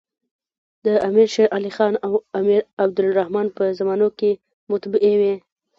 د امیر شېرعلي خان او امیر عبدالر حمن په زمانو کي مطبعې وې.